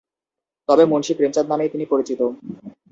তবে মুন্সী প্রেমচাঁদ নামেই তিনি পরিচিত।